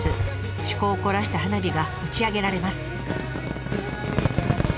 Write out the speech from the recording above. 趣向を凝らした花火が打ち上げられます。